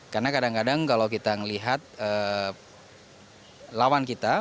karena kadang kadang kalau kita melihat lawan kita